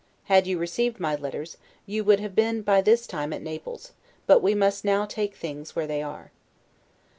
Had you received my letters, you would have been by this time at Naples: but we must now take things where they are.